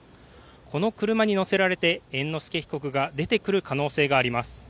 この車に乗せられて猿之助被告が出てくる可能性があります。